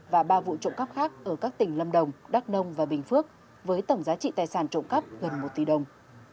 và ba vụ trộm cắp khác ở các tỉnh lâm đồng đắk nông và bình phước với tổng giá trị tài sản trộm cắp gần một tỷ đồng